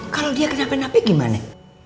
kalau dia kenapain napain gimana